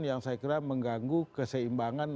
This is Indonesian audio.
yang saya kira mengganggu keseimbangan